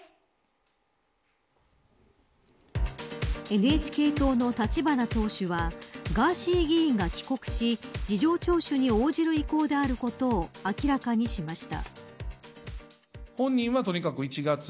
ＮＨＫ党の立花党首はガーシー議員が帰国し事情聴取に応じる意向であることを明らかにしました。